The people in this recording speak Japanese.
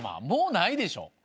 もうないでしょ。